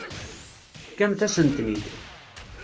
Tefkamt-asen-ten-id.